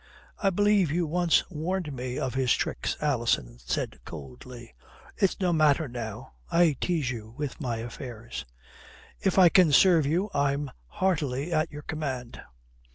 "I believe you once warned me of his tricks," Alison said coldly. "It's no matter now. I tease you with my affairs." "If I can serve you, I'm heartily at your command."